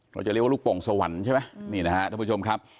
เราจะเรียกว่าลูกโป่งสวรรค์ใช่ไหมนี่นะฮะท่านผู้ชมครับ